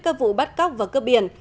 các vụ bắt cóc và cơ biển